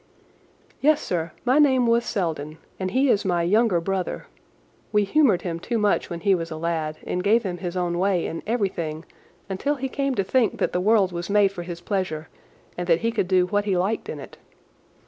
"Yes, sir, my name was Selden, and he is my younger brother. We humoured him too much when he was a lad and gave him his own way in everything until he came to think that the world was made for his pleasure, and that he could do what he liked in it.